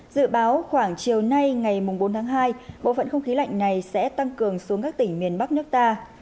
dự báo khoảng chiều nay ngày bốn tháng hai bộ phận không khí lạnh này sẽ tăng cường xuống các tỉnh miền bắc nước ta